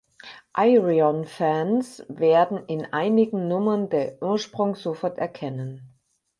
Ayreon-Fans werden in einigen Nummern den Ursprung sofort erkennen.